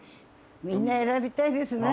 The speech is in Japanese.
みんな選びたいですね。